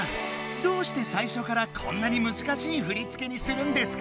どうしてさいしょからこんなに難しい振り付けにするんですか？